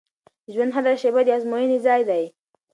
د ژوند هره شیبه د ازموینې ځای دی.